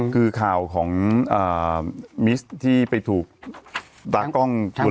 คือข่าวของมิสที่ไปถูกตากล้องชน